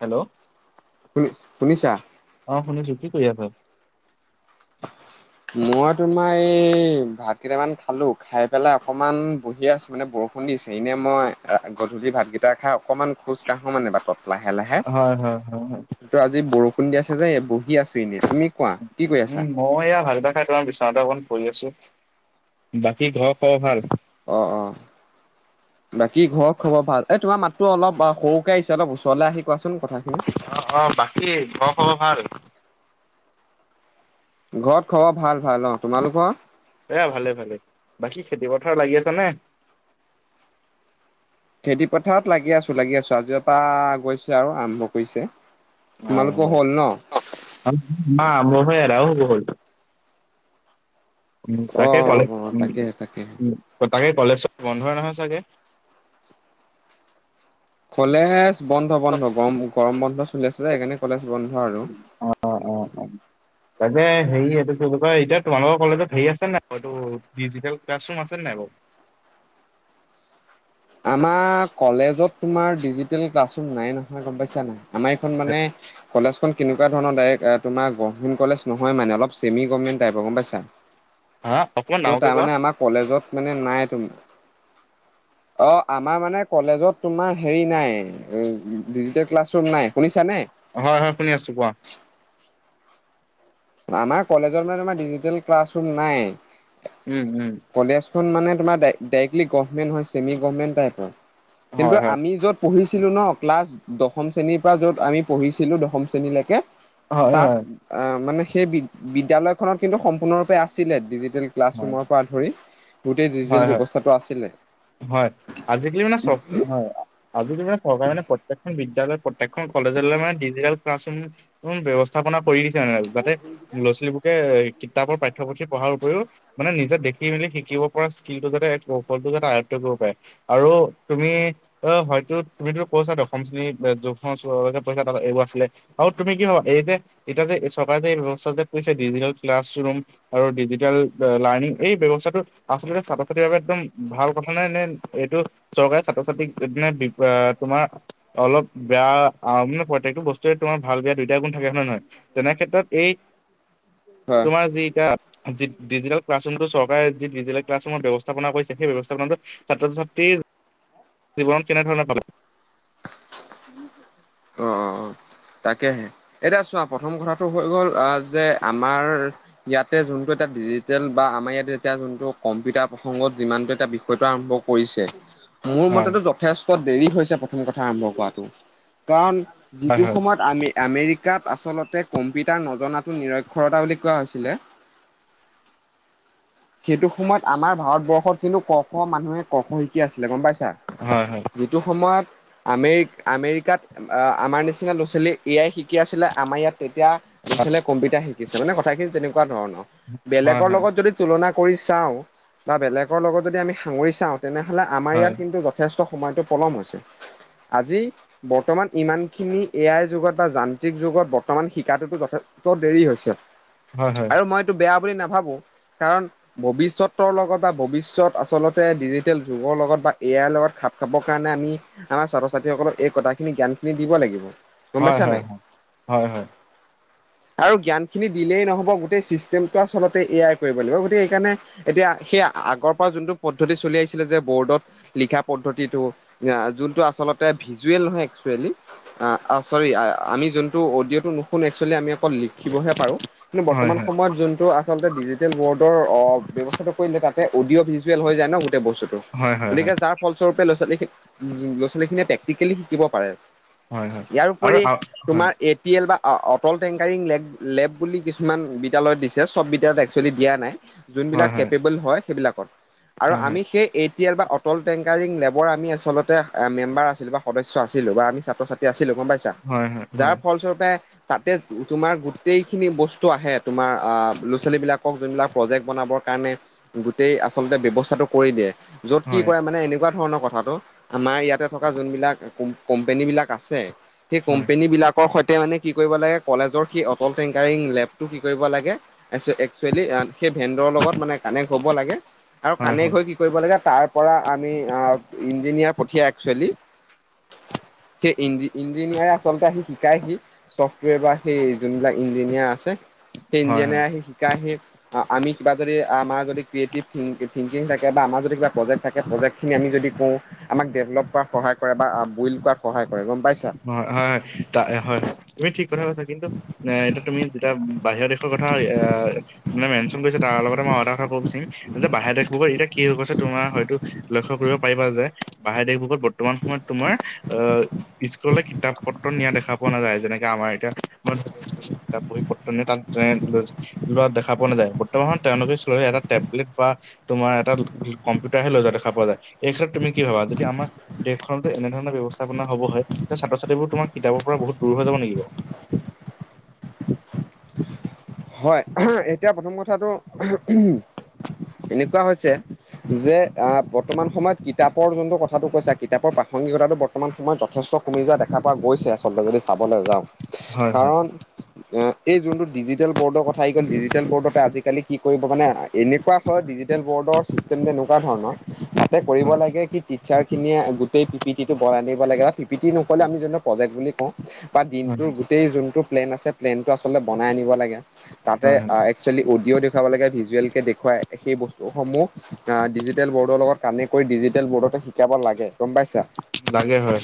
Hello. শুনি-শুনিছা? অ' শুনিছোঁ। কি কৰি আছা? মই তোমাৰ এই ভাত কেইটামান খালোঁ খাই পেলাই অকমান বহি আছোঁ মানে বৰষু খুন্দিছে, এনেই মই গধূলি ভাতকেইটা খাই অকমান খোজ কাঢ়ো মানে বাটত। লাহে লাহে। হয় হয়। হয় হয় কিন্তু আজি বৰষুণ দি আছে যে বহি আছোঁ এনেই। তুমি কোৱা কি কৈ আছা? উম, মই এয়া [unintelligible] খাই তোমাৰ বিচনাতে অকণ পৰি আছোঁ। বাকী ঘৰৰ খবৰ ভাল? অ', অ'। [inaudible] বাকী ঘৰৰ খবৰ ভাল। এই তোমাৰ মাতটো অলপ সৰুকৈ আহিছে অলপ ওচৰলৈ আহি কোৱাচোন কথাখিনি। অ', অ' বাকী ঘৰৰ খবৰ ভাল? ঘৰত খবৰ ভাল ভাল অ', তোমালোকৰ? এ, ভালে ভালে। বাকী খেতি পথাৰ লাগি আছা নে? খেতি পথাৰত লাগি আছোঁ লাগি আছোঁ, আজিৰ পৰা গৈছে আৰু আৰম্ভ কৰিছে। অ' তোমালোকৰ হয়। হ'ল ন? [unintelligible] এদায় হ'বৰ হ'ল। উ, অ তাকেই কলেজ অ অ তাকে তাকে উ, তাকেই কলেজ বন্ধই নহয় চাগে? কলেজ বন্ধ বন্ধ গৰম গৰম বন্ধ চলি আছে যে সেইকাৰণে কলেজ বন্ধ আৰু। অ', অ', অ'। তাকে হেৰি, এইটো কি বুলি কয়? এতিয়া তোমালোকৰ কলেজত হেৰি আছে নাই, এইটো ডিজিটেল ক্লাছৰুম আছে নাই বাৰু? আমাৰ কলেজত, তোমাৰ ডিজিটেল ক্লাছৰুম, নাই নহয়, গম পাইছা নাই। আমাৰ এইখন মানে, কলেজখন কেনো কোৱা ধৰণৰ, ডাইৰেক্ট তোমাৰ গভৰ্মেন্ত কলেজ নহয় মানে, অলপ ছেমিগভৰ্মেন্ত টাইপৰ, গম পাইছা। [unintelligible] ত' তাৰমানে, আমাৰ কলেজত মানে নাই। অ', আমাৰ মানে, কলেজত তোমাৰ হেৰি নাই। উম, ডিজিটেল ক্লাছ ৰুম নাই, শুনিছানে। হয়, হয়, শুনি আছোঁ, কোৱা। আমাৰ কলেজত, মানে তোমাৰ ডিজিটেল ক্লাছৰুম নাই। উম, উম। কলেজখন মানে তোমাৰ ডাইৰেক্টলি, গভমেণ্ট নহয়, ছেমি গভমেণ্ট টাইপৰ, কিন্তু হয় হয় আমি য'ত পঢ়িছিলোঁ ন, ক্লাছ দশম শ্ৰেণীৰ পৰা য'ত আমি পঢ়িছিলোঁ, দশম শ্ৰেণীলৈকে। হয় তাত হয় আহ, মানে সেই বিদ্যালয়খনত কিন্তু সম্পূৰ্ণৰূপে আছিলে ডিজিটেল হয় ক্লাছৰুমৰ পৰা ধৰি গোটেই ডিজিটেল হয়, হয়, ব্যৱস্থাটো আছিলে হয়, আজিকালি মানে চব, হয়। আজিৰ দিনত চৰকাৰে মানে, প্ৰত্যেকখন বিদ্যালয়, প্ৰত্যেখন কলেজ মানে ডিজিতেল ক্লাছ ৰোম ব্যৱস্থাপনা কৰি দিছে মানে আৰু যাতে ল'ৰা-ছোৱালীবোৰে এ কিতাপৰ পাঠ্যপুথি পঢ়াৰ উপৰিও, মানে নিজে দেখি-মেলি শিকিব পোৰা স্কিলটো যাতে, কৌশলটো যাতে, আয়ত্ব কৰিব পাৰে, আৰু তুমি অ', হয়তো, তুমিতো কৈছা দশম শ্ৰণীৰ [unintelligible] আৰু তুমি কি ভাবা, এই যে, এতিয়া যে, চৰকাৰে যে, এই ব্যৱস্থা কৰিছে ডিজিটেল ক্লাছ ৰোম আৰু ডিজিটেল লাৰ্ণিং, এই ব্যৱস্থাটো আচলতে ছাত্ৰ-ছাত্ৰী বাবে একদম ভাল কথা নাই নে, এইটো চৰকাৰে ছাত্ৰ ছাত্ৰীক দিনে, তোমাৰ অলপ বেয়া মানে, প্ৰত্যেকটো বস্তুয়ে তোমাৰ, ভাল, বেয়া দুইটা গুণ থাকে হয় নে নহয়। তেনে ক্ষেত্ৰত এই হয় তোমাৰ যি এতিয়া, যি ডিজিটেল ক্লাছ ৰুমটো, চৰকাৰে যি ডিজিটেল ক্লাছৰুমৰ ব্যৱস্থাপনা কৰিছে, সেই ব্যৱস্থাপনাতো ছাত্ৰ-ছাত্ৰী জীৱনত কেনেধৰণে পালে। [inaudible] অ', অ', অ'। তাকেহে, এতিয়া চোৱা প্ৰথম কথাটো হৈ গ'ল, আহ যে আমাৰ ইয়াতে যোনটো এটা, ডিজিটেল বা আমাৰ ইয়াত এতিয়া যোনটো কম্পিউটাৰ প্ৰসংগত যিমানটো এটা টো আৰম্ভ কৰিছে [inaudible] মোৰ মতেতো যথেষ্ট দেৰি হৈছে, প্ৰথম কথা আৰম্ভ কৰাটো। কাৰণ হয় সেইটো সময়ত আমে আমেৰিকাত আচলতে, কম্পিউটাৰ নজনাটো নিৰক্ষৰতা বুলি কোৱা হৈছিলে। সেইটো সময়ত আমাৰ ভাৰতবৰ্ষত কিন্তু ক, খ মানুহে ক, খ শিকি আছিলে, গম পাইছা। হয়, হয়। যিটো সময়ত আমেৰি আমেৰিকাত আমাৰ নিচিনা ল'ৰা-ছোৱালী এয়াই শিকি আছিলে, আমাৰ ইয়াত তেতিয়া ল'ৰা-ছোৱালীয়ে কম্পিউটাৰ শিকিছে, মানে কথাখিনি তেনেকুৱা ধৰণৰ, হয় বেলেগৰ হয় লগত যদি তুলনা কৰি চাওঁ, বা বেলেগৰ লগত যদি আমি সাঙৰি চাওঁ, তেনেহ'লে আমাৰ ইয়াত হয় কিন্তু, যথে যথেষ্ট সময়টো পলম হৈছে আজি। বৰ্তমান ইমানখিনি এ আই যুগত বা যান্ত্ৰিক যুগত বৰ্তমান শিকাটোতো যথেষ্ট ত দেৰি হৈছে হয় আৰু মইটো বেয়া বুলি নাভাবোঁ কাৰণ ভৱিষ্যতৰ লগত বা ভৱিষ্যত আচলতে ডিজিটেল যুগৰ লগত বা এ আইৰ লগত খাপ খাবৰ কাৰণে আমি আমাৰ ছাত্ৰ ছাত্ৰীসকলক এই কথাখিনি জ্ঞান খিনি দিব লাগিব। গম হয় পাইছা হয় নাই। হয় হয় হয় আৰু জ্ঞানখিনি দিলেই নহ'ব গোটেই চিষ্টেমটো আচলতে এ আই লাগিব গতিকে সেইকাৰণে এতিয়া সেই আগৰ পৰা যোনটো পদ্ধতি চলি আহিছিলে যে বৰ্ডত লিখা পদ্ধতিটো যোনটো আচলতে ভিজুৱেল নহয় একচুৱেলি। অ অ চৰি আমি যোনটো অডিঅটো নুশুনোঁ একচলি আমি লিখি বহে পাৰো কিন্তু হয় বৰ্তমান সময়ত যোনটো আচলতে ডিজিটেল ৱৰ্ল্ডৰ ব্যৱস্থাটো কৰিলে তাতে অডিঅ' ভিজুৱেল হৈ যায় ন গোটেই বস্তুটো হয় হয় হয় হয় গতিকে যাৰ ফলস্বৰূপে ল'ৰা ছোৱালী' লৰা ছোৱালী খিনিয়েই পিচটিকেলি শিকিব পাৰে। হয় হয় হয় ইয়াৰ আৰু ওপৰি হয় হয় তোমাৰ এ এলটিল বা অটল টেংকাৰিং লে লেব বুলি কিছুমান বিদ্যালয় দিছে চব বিদ্যালয়ত এক্সুৱালি দিয়া নাই যোনবিলাক কেপেবল হয় সেইবিলাকত আৰু হয় আমি সেই টেল বা অটল টেংকাৰিং লেবৰ আমি আচলতে মেম্বাৰ আছিলো বা সদস্য আছিলোঁ বা আমি ছাত্ৰ ছাত্ৰী আছিলো গম পাইছা। হয় হয় যাৰ হয় ফলস্বৰূপে তাতে তোমাৰ গোটেই খিনি বস্তু আহে তোমাৰ আ ল'ৰা ছোৱালী বিলাক যোনবিলাক প্ৰজেক্ট বনাবৰ কাৰণে গোটেই আচলতে ব্যৱস্থাটো কৰি দিয়ে। য'ত কি হয়। কৰে মানে এনেকুৱা ধৰণৰ কথাটো আমাৰ ইয়াতে থকা যোনবিলাক কোম্পনী বিলাক আছে সেই হয়, কোম্পনী বিলাক সৈতে মানে কি কৰিব লাগে কলেজৰ সেই অটল টেংকাৰিং লেব টো কি কৰিব লাগে একজুৱেলি সেই ভেডৰ লগত মানে কানেক্ট হব লাগে আৰু কানেক্ট হয় কিনে কি কৰিব লাগে তাৰ পৰা আমি ইঞ্জিনিয়াৰ পঠিয়াই একচুৱেলি সেই ইঞ্জি ইঞ্জিনিয়াৰে আচলতে আহি শিকাইহি। চফ্টৱেৰ বা সেই যোনবিলাক ইঞ্জিনিয়াৰ আছে সেই হয়, হয়। ইঞ্জিনিয়াৰ আহি শিকাই আহি। আমি কিবা যদি আমাৰ যদি ক্ৰিয়েটিভং থিংকিং থাকে বা আমাৰ যদি কিবা প্ৰজেক্ট থাকে প্ৰজেক্টখিনি আমি যদি কওঁ আমাক ডেভলপ কৰাত সহায় কৰে বা বইল্ড কৰাত সহায় কৰে গম পাইছা। হয়, হয়, হয়, হয় তুমি ঠিক কথা কৈছা কিন্তু এইটো তুমি যেতিয়া বাহিৰৰ দেশৰ কথা এ মানে মেনশ্যন কৰিছে তাৰ লগতে মই এটা কথা ক'ব বিচাৰিম যে বাহিৰৰ দেশ বোৰৰ এতিয়া কি হৈ গৈছে তোমাৰ হয়তো লক্ষ্য কৰিব পাৰিবা যে বাহিৰৰ দেশ বোৰত বৰ্তমান সময়ত তোমাৰ আহ, স্কুললৈ কিতাপ পত্ৰ নিয়া দেখা পোৱা নাযায় যেনেকে আমাৰ এতিয়া [inaudible] লোৱা দেখা পোৱা নাযায় বৰ্তমান তেওঁলোকে চোৱা এটা টেবলেট বা তোমাৰ এটা কম্পিউটাৰ হে লৈ যোৱা দেখা পোৱা যায় এই ক্ষেত্ৰত তুমি কি ভাবা যদি আমাৰ দেশখনতো এনেধৰণৰ ব্যৱস্থাপনা হব হয় যে ছাত্ৰ ছাত্ৰীবোৰ তোমাৰ কিতাপৰ পৰা বহুত দূৰ হৈ যাব নেকি? হয় এতিয়া প্ৰথম কথাটো এনেকুৱা হৈছে যে আহ বৰ্তমান সময়ত কিতাপৰ যোনটো কথাটো কৈছা কিতাপৰ প্ৰাসংগিকতাটো বৰ্তমান বৰ্তমান সময় যথেষ্ট কমি যোৱা দেখা পোৱা গৈছে আচলতে যদি চাবলৈ যাওঁ। হয় হয় কাৰণ এ এই যোনটো ডিজিট ডিজিটেল বৰ্ড কথা আহি গল ডিজিটেল বৰ্ডতে আজিকালি কি কৰিব মানে এনেকুৱা হয় ডিজিটেল বৰ্ডৰ চিষ্টেম তেনেকুৱা ধৰণৰ তাতে কৰিব হয় লাগে কি টিচাৰ খিনিয়ে গোটেই পি পি টো বনাই নিব লাগে বা পি পি টি নক'লে আমি যোনটোক প্ৰজেক্ট বুলি কওঁ বা হয় দিনটোৰ গোটেই যোনটো প্লেন আছে প্লেনটো আচলতে বনাই আনিব লাগে তাতে হয় হয় একচোৱেলী অডিঅ' দেখুৱাব লাগে ভিজুৱেলকে দেখুৱাই সেই বস্তুসমূহ ডিজিটেল বৰ্ডৰ লগত কানেক্ট কৰি ডিজিটেল বৰ্ডতে শিকাব লাগে গম পাইছা। লাগে হয়।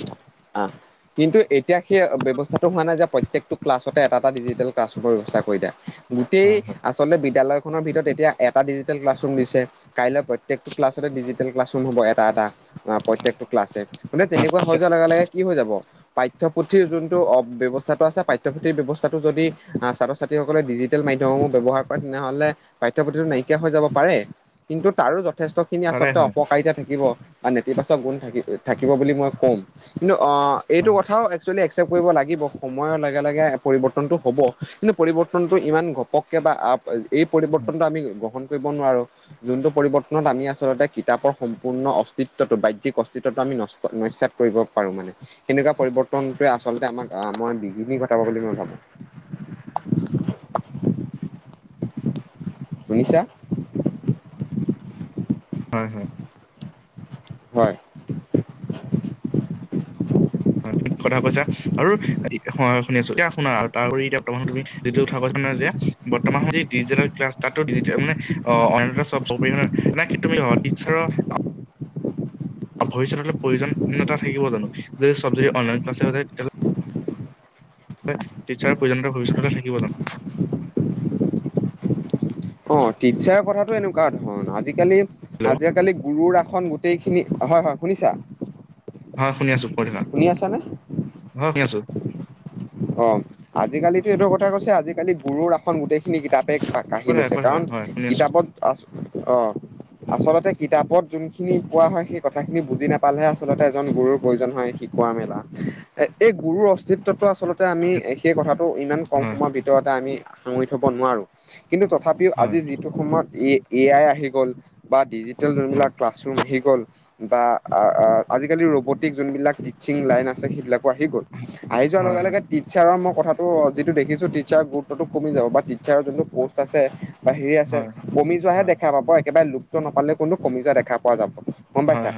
আহ কিন্তু এতিয়া সেই ব্যৱস্থা টো মানে যে প্ৰত্যেকটো ক্লাছতে এটা এটা ডিজিটেল ক্লাছ [unintelligible] গোটেই হয় হয় আচলতে বিদ্যালয়খনৰ ভিতৰত এতিয়া এটা ডিজিটেল ক্লাছ ৰুম দিছে। কাইলৈ প্ৰত্যেকটো ক্লাছতে ডিজিটেল ক্লাছ ৰুম হ'ব এটা এটা। অ প্ৰত্যকটো ক্লাছে মানে তেনেকুৱা হৈ যোৱা লগে লগে কি হৈ যাব পাঠ্যপুথিৰ যোনটো অ ব্যৱস্থাটো আছে পাঠ্যপুথিৰ ব্যৱস্থাটো যদি আহ ছাত্ৰ ছাত্ৰী। সকলে ডিজিটেল মাধ্যমসমূহ ব্যৱহাৰ কৰে তেনেহলে পাঠ্যপুথিটো নাইকিয়া হৈ যাব পাৰে। কিন্তু তাৰো যথেষ্ট খিনি তাৰে আচলতে হয় অপকাৰিতা থাকিব বা নেতিবাচক গুণ থাকিব বুলি মই ক'ম, কিন্তু এইটো হয় কথাও একচুৱেলি একচেপ্ট কৰিব লাগিব সময়ৰ লগে লগে পৰিৱৰ্তনটো হ'ব। কিন্তু পৰিৱৰ্তনটো ইমান ঘপককে বা এই হয় পৰিৱৰ্তনটো আমি গ্ৰহন কৰিব নোৱাৰো। যোনটো পৰিৱৰ্তনত আমি আচলতে কিতাপৰ সম্পূৰ্ণ অস্তিত্বটো বাহ্যিক অস্তিত্বটো আমি নষ্ট সমস্যাত পৰিব পাৰো মানে। সেনেকুৱা পৰিৱৰ্তনটোৱে আচলতে আমাক মই বিঘিনি ঘটাব বুলি মই ভাবো। [unintelligible] শুনিছা? হয় হয়। হয়। অঁ ঠিক কথা কৈছা। আৰু হয় হয় শুনি আছো এতিয়া শুনা আৰু তাৰ উপৰি এতিয়া মানে তুমি যিটো [unintelligible] কথা কৈছা যে বৰ্তমান যি ডিজিটেল ক্লাছ তাতো [unintelligible] ভৱিষ্যত প্ৰয়োজনীয়তা থাকিব জানো যদি চব যদি অনলাইন ক্লাছে হৈ থাকে তেতিয়াহলে টিচাৰ প্ৰয়জনীয়তা ভৱিষ্যতলে থাকিব জানো? অ টিচাৰ কথাটো এনেকুৱা ধৰণৰ আজিকালি হেল্ল' আজিকালি গুৰুৰ আসন গোটেইখিনি হয়, হয়, শুনিছা? হয় শুনি আছোঁ কৈ থাকা শুনি আছা নে? অ শুনি আছোঁ। অ আজিকালিতো এইটো কথা কৈছে আজিকালি আজিকালি গুৰুৰ আসন গোটেইখিনি কিতাপে কৈ কাঢ়ি থাকা লৈছে কৈ থাকা কাৰণ হয় শুনি আছো কিতাপত অঁ আচলতে কিতাপত যোনখিনি পোৱা হয়, সেই কথাখিনি বুজি নাপালেহে আচলতে এজন গুৰুৰ প্ৰয়োজন হয় শিকোৱা মেলা। এ' এই গুৰুৰ অস্তিত্বটো আচলতে আমি সেই কথাটো ইমান কম হয় সময়ৰ ভিতৰত ভিতৰতে আমি সাঙুৰি থব নোৱাৰো। কিন্তু তথাপিও হয় আজি যিটো সময়ত এ আই আহি গ'ল বা হয়, ডিজিটেলবিলাক ক্লাছ- আহি গ'ল বা আহ আজিকালি ৰবতিন যোন বিলাক টিছং লাইন আছে সেইবিলাক- আহি গ'ল। হয়, আহি যোৱাৰ হয়, লগে-লগে। টিচাৰৰ মই কথাটো যিটো দেখিছো টিচাৰৰ গুৰুত্বটো কমি যাব বা টিচাৰৰ যোনটো প'ষ্ট আছে। বাহিৰে আছে হয়, কমি যোৱাহে হয়, দেখা পাব। একেবাৰে লুপটো নাপালেও কোনো কমি যোৱা দেখা পোৱা যাব। গম হয়, পাইছা।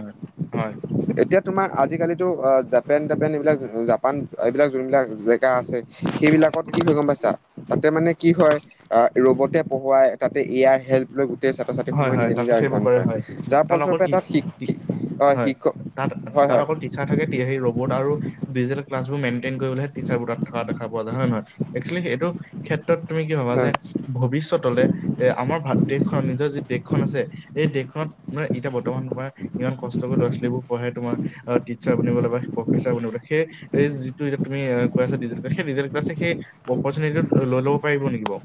হয়, এতিয়া- তোমাৰ আজিকালিটো অহ', - জাপেন-তাপেন এইবিলাক জাপান এইবিলাক যোনবিলাক- শিকা আছে। সেইবিলাকত কি হয় গম পাইছা, তাতে মানে কি হয় আ ৰবতে পঢ়ৱাই তাতে এয়াৰ হেল্প লৈ গোটেই হয়, ছাত্ৰ-ছাত্ৰীসমূহে হয়, তাত নিজে-নিজে সেইবোৰ অধ্যয়ন কৰে। হয়। যাৰ অকল ফলস্বৰূপে কি তাত শি কি শিক অহ হয়, শিক্ষক তাত হয় তাত হয়। অকল টিচাৰ থাকে এতিয়া সেই ৰবট আৰু ডিটেল ক্লাছৰোম মেণ্টেইন কৰিবলেহে টিচাৰবোৰক থকা দেখা পোৱা যায়। হয় নে নহয় একচলি এইটো ক্ষেত্ৰত তুমি কি ভবা যে হয় ভৱিষ্যত'লে এ আমাৰ ভাৰত দেশখন নিজৰ যি দেশখন আছে এই দেশখনত মানে এতিয়া বৰ্তমান সময় ইমান কষ্ট কৰি ল'ৰা-ছোৱালীবোৰ পঢ়াই তোমাৰ অহ' টিচাৰ বনিবলে বা প্ৰফেচাৰ বনিবলে সেই এই যিটো এতিয়া তুমি কৈ আছা ডিজিটেল সেই ডিজিটেল ক্লাছে সেই অপ'চনিতিটো লৈ ল'ব পাৰিব নেকি বাও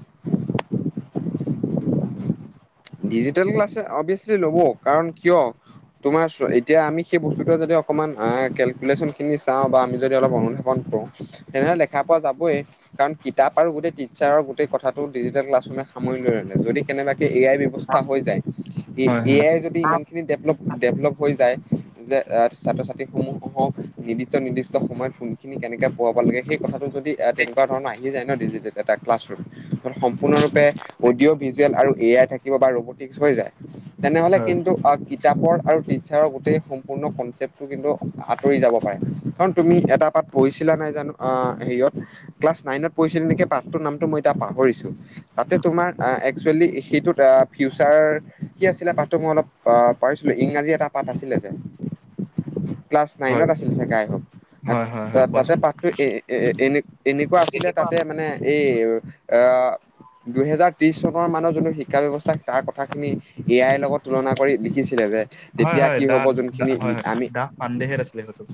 ডিজিটেল ক্লাছে অব্যেচলি ল'ব, কাৰণ কিয় তোমাৰ এতিয়া আমি সেই বস্তুটো যদি অকমান কেলকুলেশ্যন খিনি চাওঁ বা আমি যদি অলপ অনুমান কৰো তেনেহ'লে দেখা পোৱা যাবই। কাৰণ কিতাপ আৰু গোটেই টিচাৰৰ গোটেই কথাটো ডিজিটেল ক্লাছৰুমে সামৰি লৈ আনে। যদি কেনেবাকে এ আই ব্যবস্থা হৈ যায় হয় এ হয় আই যদি ইমানখিনি ডেভলপ-ডেভলপ হৈ যায়। যে ছাত্ৰ-ছাত্ৰী সমূহক নিৰ্দিষ্ট নিৰ্দিষ্ট সময়ত কোনখিনি কেনেকে পোৱাব লাগে সেই কথাটো যদি এ তেনেকুৱা ধৰণৰ আহি যায় ন ডিজিটেল এটা ক্লাছ ৰুম। সম্পূৰ্ণৰূপে অডিঅ ভিজুৱেল আৰু এ আই থাকিব বা ৰুবোটিচ হৈ যায় তেনেহ'লে হয় কিন্ত কিতাপৰ আৰু টিচাৰৰ গোটেই সম্পূৰ্ণ কনচেপ্টতো কিন্তু আঁতৰি যাব পাৰে। কাৰণ তুমি এটা পাত পঢ়িছিলা নাই জানো আ হেৰিয়ত ক্লাছ নাইনত পঢ়িছিলা নেকি পাঠটোৰ নামটো মই এতিয়া পাহৰিছো। তা'তে তোমাৰ এক্সচুৱেলি সেইটোত ফিউচাৰ কি আছিলে পাঠটো মই অলপ পাৰিছিলো ইংৰাজী এটা পাঠ আছিলে যে [inaudible] ক্লাছ নাইনত আছিল ছাগে আই স'প হয় হয় হয় হয় তা'তে কোৱাচোন পাঠটো এ এ এনে এনেকুৱা আছিলে তা'তে মানে এই আঁহ দুহেজাৰ ত্ৰিশ চনৰ মানৰ যোনটো শি ক্ষা ব্যৱস্থাক তাৰ কথাখিনি এ আইৰ লগত তুলনা কৰি লিখিছিলে যে। হয় তেতিয়া হয় কি দা হ'ব দা যোনখিনি হয় হয় আমি দাস পাণ্ডেহে আছিলে হয়তো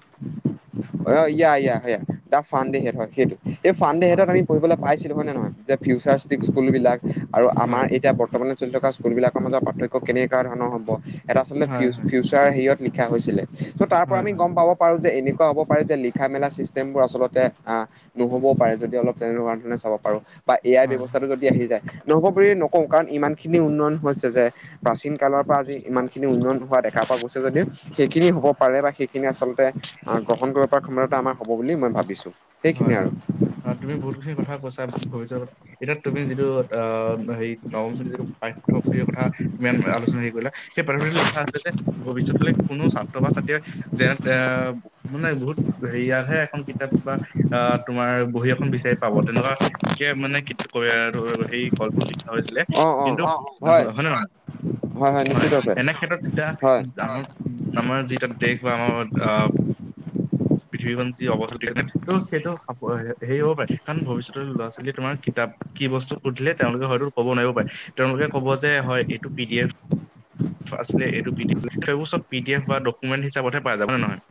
অহ' ইয়া ইয়া ইয়া দা ফানদেহেট হয় সেইটো এই ফানদেহেটক হয় আমি পঢ়িবলৈ পাইছিলো হয় নে নহয়। যে ফিউচাৰ ষ্টিক স্কুলবিলাক আৰু আমাৰ হয় এতিয়া ব ৰ্তমানে চলি থকা স্কুলবিলাকৰ মাজত পাৰ্থক্য কেনেকা ধৰণৰ হ'ব। এয়াত আচলতে হয় ফিউচ হয় ফিউচ চাৰ হেৰিয়ত লিখা হৈছিলে। ত' তাৰ পৰা হয় আমি হয় গম পাব পাৰো যে এনেকুৱা হ'ব পাৰে যে লিখা-মেলা চিষ্টেমবোৰ আচলতে আঁ নহবও পাৰে যদি অলপ তেনেকুৱা ধৰণে চাব পাৰো। বা এ আই হয় ব্যৱস্থাটো যদি আহি যায়। নহ'ব বুলি নকওঁ কাৰণ ইমান খিনি উন্নয়ন গৈছে যে প্ৰাচীন কালৰ পৰা আজি ইমান খিনি উন্নয়ন হোৱা দেখা পোৱা গৈছে যদিও সেইখিনি হ'ব পাৰে বা সেইখিনি আচলতে আহ গ্ৰহণ কৰিব পৰা ক্ষমতা আমাৰ হ'ব বুলি মই ভাবিছো। হয হয়। অহ তুমি বহুতখিনি কথা কৈছা ভৱিষ্যত এতিয়া তুমি যিটো আহ হেৰি নৱম শ্ৰেণী যিটো পাঠ্যপুথিয় কথা তুমি ইয়াত আলোচনা সেই কৰিলা, সেই পাঠ্যপুথিটো আছিল যে ভৱিষ্যতলে কোনো ছাত্ৰ বা ছাত্ৰীয়ে যেন এ মানে বহুত হেৰিয়াহে এখন কিতাপ বা আহ তোমাৰ বহী এখন বিচাৰি পাব তেনেকুৱা কে মানে কি কৰে আৰু এই ক লিখা হৈছিলে অ', অ'। কিন্তু হয় নে নহয় হয়, এনে ক্ষেত্ৰত এতিয়া হয়, [unintelligible] আমাৰ যি এতিয়া দেশ বা আমাৰ আহ, পৃথিৱীখন যি [unintelligible] ত' সেইটো হেৰি হ'ব পাৰে কাৰণ ভৱিষ্যতৰ ল'ৰা-ছোৱালীয়ে তোমাৰ কিতাপ কি বস্তু সুধিলে তেওঁলোকে হয়তো ক'ব নোৱাৰিব পাৰে, তেওঁলোকে ক'ব যে হয় এইটো পি ডি এফ আছিলে এইটো পি ডি এফ আছিলে, সেইবোৰ চব পি ডি এফ বা ডকুমেণ্ট হিচাপতহে পাই যাব হয় নে নহয়?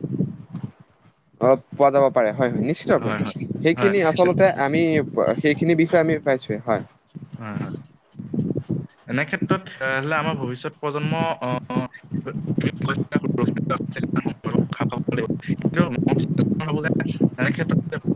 অ', পোৱা যাব পাৰে হয়, হয়, নিশ্চিত ৰূপে হয় সেই হয় হয় সেইখিনি আচলতে আমি সেইখিনি বিষয়ে আমি পাইছোঁৱেই হয়। হয়, হয়, এনে ক্ষেত্ৰত হ'লে আমাৰ ভৱিষ্যত প্ৰজন্ম [unintelligible] [unintelligible]